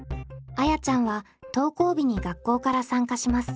あやちゃんは登校日に学校から参加します。